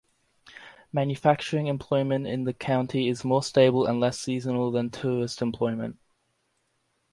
Manufacturing employment in the county is more stable and less seasonal than tourist employment.